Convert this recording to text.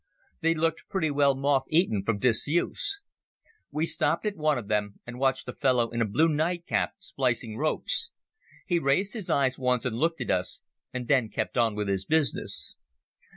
They looked pretty well moth eaten from disuse. We stopped at one of them and watched a fellow in a blue nightcap splicing ropes. He raised his eyes once and looked at us, and then kept on with his business.